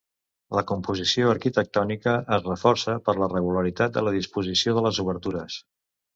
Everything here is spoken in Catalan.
La composició arquitectònica es reforça per la regularitat de la disposició de les obertures.